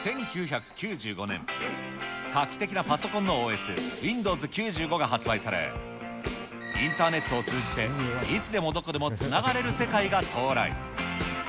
１９９５年、画期的なパソコンのＯＳ、Ｗｉｎｄｏｗｓ９５が発売され、インターネットを通じていつでもどこでもつながれる世界が到来。